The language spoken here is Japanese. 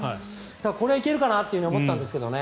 これはいけるかなと思ったんですけどね。